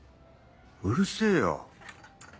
うるせぇよ。